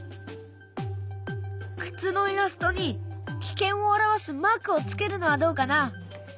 靴のイラストに危険を表すマークをつけるのはどうかな？